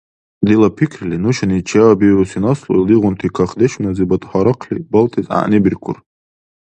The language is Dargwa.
Дила пикрили, нушани чеабиуси наслу илдигъунти кахдешуназибад гьарахъли балтес гӀягӀнибиркур.